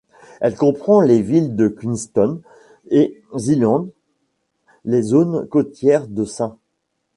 Elle comprend les villes de Queenstown et Zeehan, les zones côtières de St.